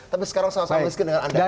tapi sekarang sama sama miskin dengan anda